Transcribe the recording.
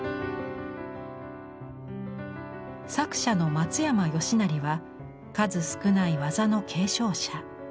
作者の松山好成は数少ない技の継承者。